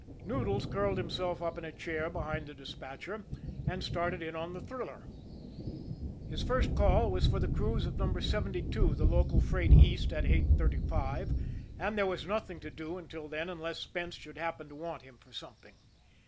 Noodles curled himself up in a chair behind the despatcher and started in on the thriller. His first call was for the crews of No. 72, the local freight east, at 8.35, and there was nothing to do until then unless Spence should happen to want him for something.